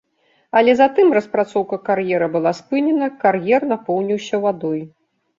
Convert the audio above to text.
Але затым распрацоўка кар'ера была спынена, кар'ер напоўніўся вадой.